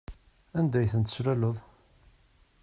Anda ay tent-teslaleḍ?